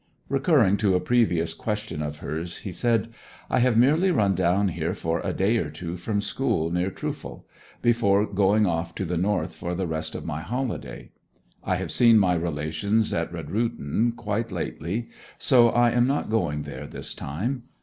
Recurring to a previous question of hers he said, 'I have merely run down here for a day or two from school near Trufal, before going off to the north for the rest of my holiday. I have seen my relations at Redrutin quite lately, so I am not going there this time.